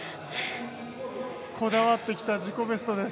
こだわってきた自己ベストです。